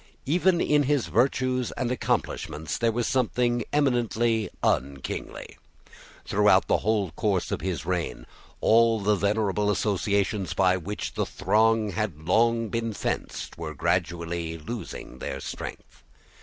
Even in his virtues and accomplishments there was something eminently unkingly. Throughout the whole course of his reign, all the venerable associations by which the throng had long been fenced were gradually losing their strength.